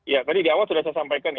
ya tadi di awal sudah saya sampaikan ya